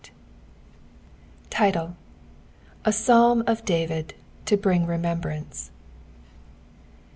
TiTLX. — A PboIid of David, to bring remembrance.